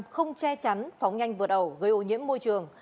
không che chắn phóng nhanh vượt ẩu gây ô nhiễm môi trường